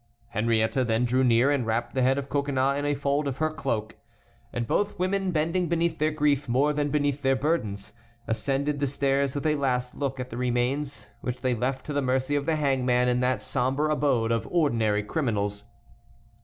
Henriette then drew near and wrapped the head of Coconnas in a fold of her cloak. And both women, bending beneath their grief more than beneath their burdens, ascended the stairs with a last look at the remains which they left to the mercy of the hangman in that sombre abode of ordinary criminals.